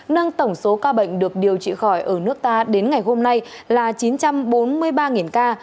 nâng tổng số ca bệnh được điều trị khỏi ở nước ta đến ngày hôm nay là chín trăm bốn mươi ba ca